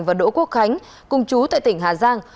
và đỗ quốc khánh cùng chú tại tỉnh hà giang